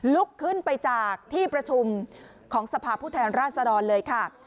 ลุกขึ้นไปจากที่ประชุมของสภาพผู้แทนราชดรเลยค่ะ